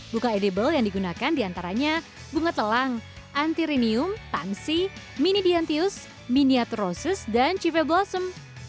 buka edible yang digunakan diantaranya bunga telang antirinium pangsi mini diantius mini atrosus dan chive blossom